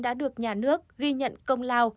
đã được nhà nước ghi nhận công lao